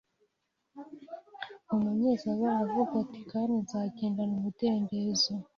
Umunyezaburi aravuga atiKandi nzagendana umudendezo